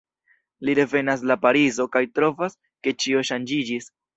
Li revenas la Parizo kaj trovas, ke ĉio ŝanĝiĝis.